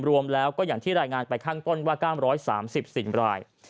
รวมแล้วก็อย่างที่รายงานไปข้างต้นว่า๙๓๔ราย